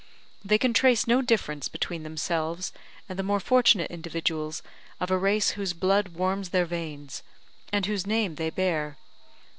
They can trace no difference between themselves and the more fortunate individuals of a race whose blood warms their veins, and whose name they bear.